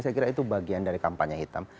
saya kira itu bagian dari kampanye hitam